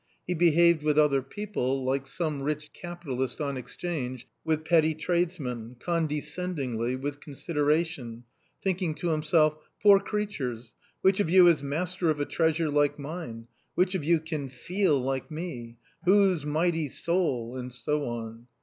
He behaved with other people, like some rich capitalist on Exchange with petty tradesmen, condescendingly, with consideration, thinking to himself, " poor creatures ! which of you is master of a treasure like mine ? which of you can feel like me ? whose mighty soul " and so on.